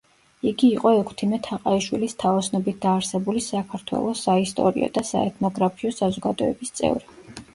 იგი იყო ექვთიმე თაყაიშვილის თაოსნობით დაარსებული საქართველოს საისტორიო და საეთნოგრაფიო საზოგადოების წევრი.